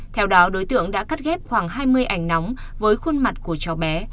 theo đó đối tượng đã cắt ghép khoảng hai mươi ảnh nóng với khuôn mặt của cháu bé